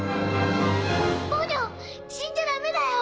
死んじゃダメだよ！